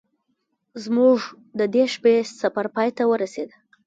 زموږ د دې شپې سفر پای ته ورسید.